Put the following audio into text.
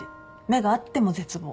目が合っても絶望。